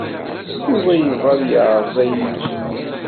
Yuba yebɣa ad yeɛreḍ ayen i yufa.